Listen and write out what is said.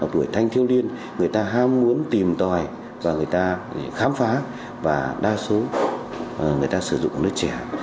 tuổi thanh thiếu niên người ta ham muốn tìm tòi và người ta khám phá và đa số người ta sử dụng nước trẻ